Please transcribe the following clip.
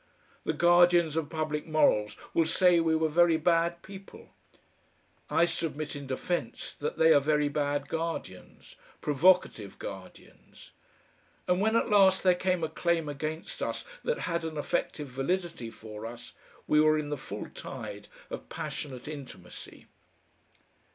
The guardians of public morals will say we were very bad people; I submit in defence that they are very bad guardians provocative guardians.... And when at last there came a claim against us that had an effective validity for us, we were in the full tide of passionate intimacy.